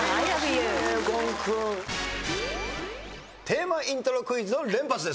テーマイントロクイズの連発です。